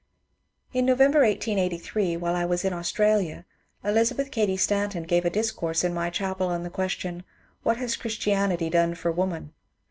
In November, 1883, while I was in Australia, Elizabeth Cady Stanton gave a discourse in my chapel on the question, " What has Christianity done for Woman